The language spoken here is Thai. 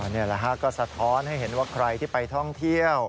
นี่แหละฮะก็สะท้อนให้เห็นว่าใครที่ไปท่องเที่ยว